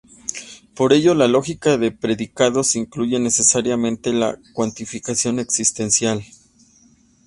Por ello la lógica de predicados incluye necesariamente la cuantificación existencial.